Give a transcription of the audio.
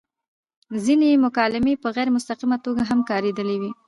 ځينې مکالمې په غېر مستقيمه توګه هم کاريدلي وې